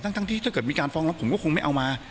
ทั้งที่ถ้าเกิดมีการฟ้องรับผมก็คงไม่เอามา